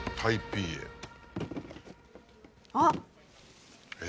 あっ。